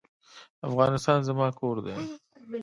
افغانستان زما کور دی